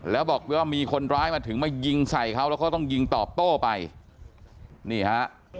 แล้วบอกด้วยว่ามีคนร้ายมาถึงมายิงใส่เขาแล้วก็ต้องยิงตอบโต้ไปนี่ฮะ